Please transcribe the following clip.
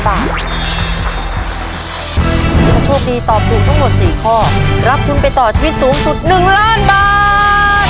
ถ้าโชคดีตอบถูกทั้งหมด๔ข้อรับทุนไปต่อชีวิตสูงสุด๑ล้านบาท